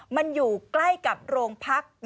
มันอยู่ใกล้กับโรงพัก